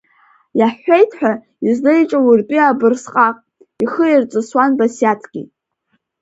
Иаҳҳәеит ҳәа, излеиҿауртәи абырсҟак, ихы ирҵысуан Басиаҭгьы.